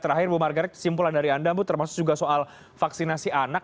terakhir bu margaret kesimpulan dari anda bu termasuk juga soal vaksinasi anak